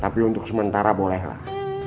tapi untuk sementara bolehlah